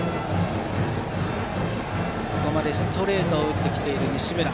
ここまでストレートを打ってきている西村。